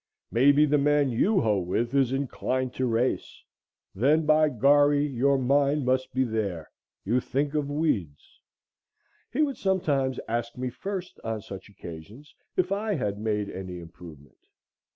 May be the man you hoe with is inclined to race; then, by gorry, your mind must be there; you think of weeds." He would sometimes ask me first on such occasions, if I had made any improvement.